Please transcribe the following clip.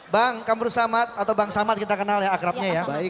bang kamru samad atau bang samad kita kenal ya akrabnya ya